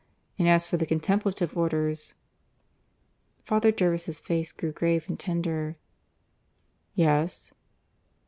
And as for the Contemplative Orders " Father Jervis' face grew grave and tender. "Yes?"